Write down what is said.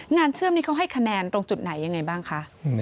เชื่อมนี้เขาให้คะแนนตรงจุดไหนยังไงบ้างคะ